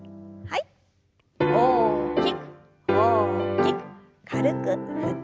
大きく大きく軽く振って。